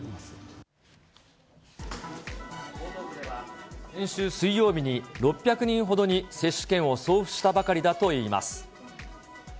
江東区では、先週水曜日に６００人ほどに接種券を送付したばかりだといいます。